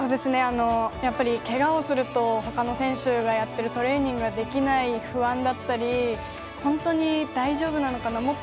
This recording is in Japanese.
けがをすると他の選手がやっているトレーニングができない不安だったり本当に大丈夫なのかな。